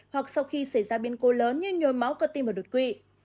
hoặc sau khi xảy ra biến cố lớn như nhồi máu cơ tim và đột quỵ